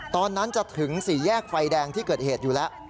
ตอนนั้นจะถึงสี่แยกไฟแดงที่เกิดเหตุอยู่แล้ว